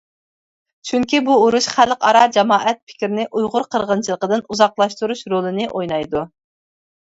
چۈنكى بۇ ئۇرۇش خەلقئارا جامائەت پىكىرنى ئۇيغۇر قىرغىنچىلىقىدىن ئۇزاقلاشتۇرۇش رولىنى ئوينايدۇ.